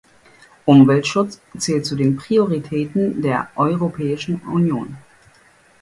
Umweltschutz zählt zu den Prioritäten der Europäischen Union.